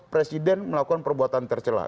presiden melakukan perbuatan tercelak